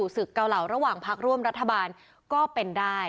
ศึกเกาเหล่าระหว่างพักร่วมรัฐบาลก็เป็นได้